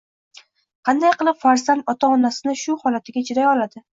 Qanday qilib farzand ota-onasini shu holatiga chiday oladi?